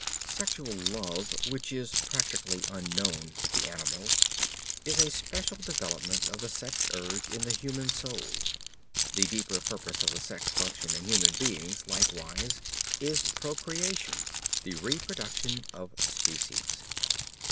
Sexual love, which is practically unknown to the animals, is a special development of the sex urge in the human soul. The deeper purpose of the sex function in human beings, likewise, is procreation, the reproduction of species.